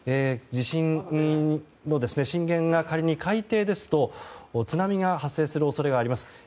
地震の震源が仮に海底ですと津波が発生する恐れがあります。